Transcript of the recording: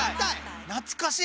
懐かしっ！